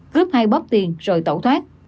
cướp hai bóp tiền rồi tẩu thoát